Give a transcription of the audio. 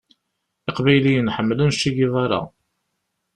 Iqbayliyen ḥemmlen Che Guevara.